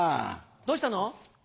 どうしたの？